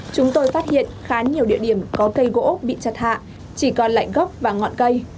chúng tôi phát hiện khá nhiều địa điểm có cây gỗ bị chặt hạ chỉ còn lạnh gốc và ngọn cây